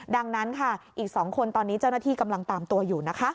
ดังนั้นค่ะอีก๒คนตอนนี้เจ้าหน้าที่กำลังตามตัวอยู่นะคะ